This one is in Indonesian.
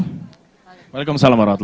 waalaikumsalam warahmatullahi wabarakatuh